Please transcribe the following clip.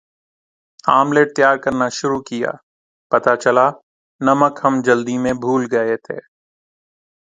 omelette تیار کرنا شروع کیا پتا چلا نمک ہم جلدی میں بھول گئےتھے